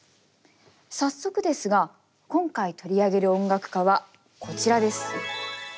早速ですが今回取り上げる音楽家はこちらです。